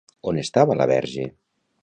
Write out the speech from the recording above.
On estava la Verge?